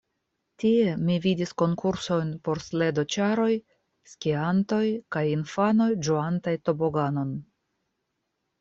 Tie mi vidis konkursojn por sledoĉaroj, skiantoj kaj infanoj, ĝuantaj toboganon.